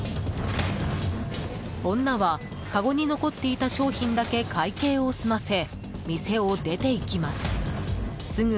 女はかごに残っていた商品だけ会計を済ませ、店を出て行きます。